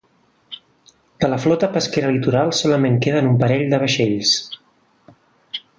De la flota pesquera litoral solament queden un parell de vaixells.